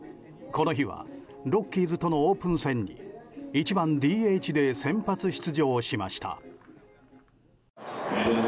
この日は、ロッキーズとのオープン戦に１番ＤＨで先発出場しました。